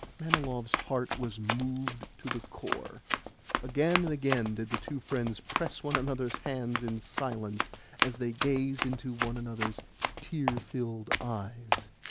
Manilov's heart was moved to the core. Again and again did the two friends press one another's hands in silence as they gazed into one another's tear filled eyes.